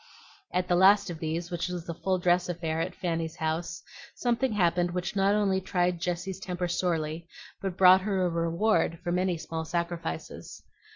At the last of these, which was a full dress affair at Fanny's house, something happened which not only tried Jessie's temper sorely, but brought her a reward for many small sacrifices.